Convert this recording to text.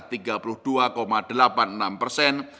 dan pertumbuhan dana pihak ketiga